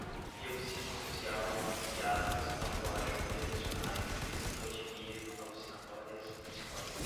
biopsicossocial, psiquiatras, patológico, delusionais, esquizotipia, alucinatórias, psicóticos